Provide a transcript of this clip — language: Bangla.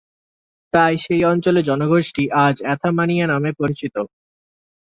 তাই সেই অঞ্চলের জনগোষ্ঠী আজ অ্যাথামানীয় নামে পরিচিত।